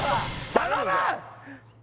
頼む！